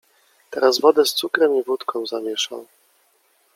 "Teraz wodę z cukrem i wódką zamieszał."